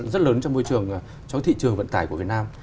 rất lớn trong môi trường cho thị trường vận tải của việt nam